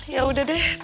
ya udah deh